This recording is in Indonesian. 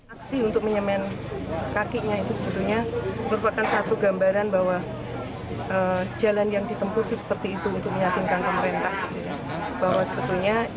aksi untuk menyemen kakinya itu sebetulnya merupakan satu gambaran bahwa jalan yang ditempur itu seperti itu untuk menyatinkan pemerintah